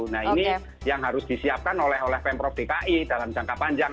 nah ini yang harus disiapkan oleh pemprov dki dalam jangka panjang